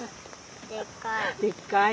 でっかい。